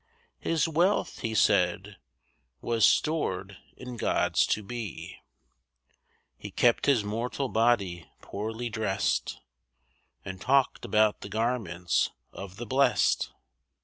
His wealth, he said, was stored in God's To Be. He kept his mortal body poorly drest, And talked about the garments of the blest.